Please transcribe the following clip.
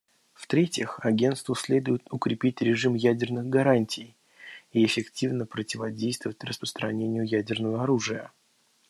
В-третьих, Агентству следует укрепить режим ядерных гарантий и эффективно противодействовать распространению ядерного оружия.